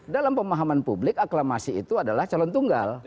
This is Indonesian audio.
dalam pemahaman publik aklamasi itu adalah calon tunggal